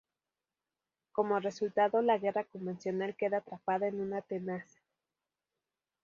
Como resultado, la guerra convencional queda atrapada en una tenaza.